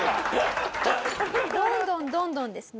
どんどんどんどんですね